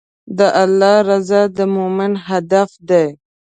د الله رضا د مؤمن هدف دی.